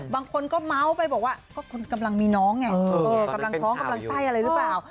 บางคนก็เมาส์ไปบอกว่าก็คุณกำลังมีน้องไงกำลังท้องกำลังไส้อะไรหรือเปล่า